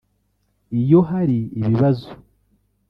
iyo hari ibibazo